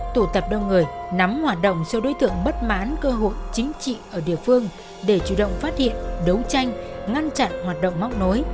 tụ tập đông người nắm hoạt động số đối tượng bất mãn cơ hội chính trị ở địa phương để chủ động phát hiện đấu tranh ngăn chặn hoạt động móc nối